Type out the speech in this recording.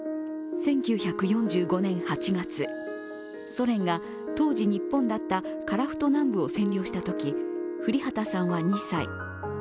１９４５年８月、ソ連が当時、日本だった樺太南部を占領したとき降旗さんは２歳。